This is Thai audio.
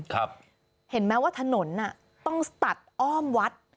ครับเห็นไหมว่าถนนอ่ะต้องตัดอ้อมวัด